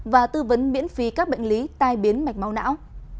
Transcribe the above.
và tư vấn miễn phí các bệnh lý tai biến mạch máu não